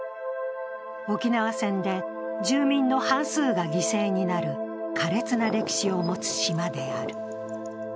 沖縄戦で住民の半数が犠牲になる苛烈な歴史を持つ島である。